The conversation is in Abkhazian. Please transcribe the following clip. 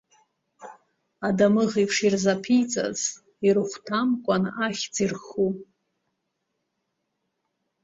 Адамыӷ еиԥш ирзаԥиҵаз, ирыхәҭамкәан ахьӡ ирху?